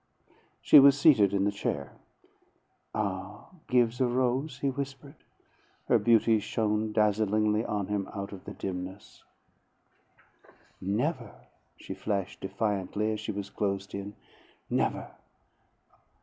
She was seated in the chair. "Ah, give the rose," he whispered. Her beauty shone dazzlingly on him out of the dimness. "Never!" she flashed defiantly as she was closed in. "Never!"